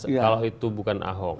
kalau itu bukan ahok